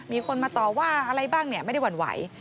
มีคนมาต่อว่าอะไรบ้างเนี่ยไม่ได้หวั่นไหว